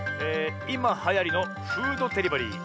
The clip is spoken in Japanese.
いまはやりのフードデリバリー。